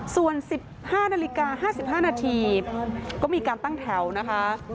ส่วน๑๕นาฬิกา๕๕นาทีก็มีการตั้งแถวนะคะ